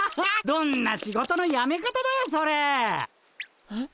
どんな仕事のやめ方だよそれ！えっ。